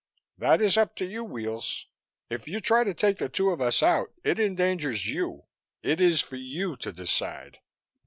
"That is up to you, Weels. If you try to take the two of us out, it endangers you. It is for you to decide."